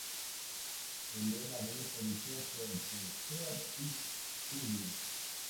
El lema de esta edición fue "The Earth is Crying.